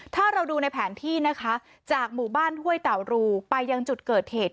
ถ้าเราดูในแผนที่นะคะจากหมู่บ้านห้วยเต่ารูไปยังจุดเกิดเหตุ